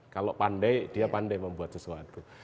kalau pandai dia pandai membuat sesuatu